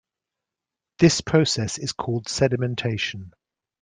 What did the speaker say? This process is called sedimentation.